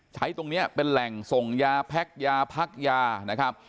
ใช้ตรงนี้เป็นแหล่งส่งยาแพ็คยาพักยานะครับ